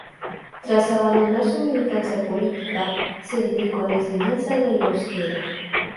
Tras abandonar su militancia política, se dedicó a la enseñanza del euskera.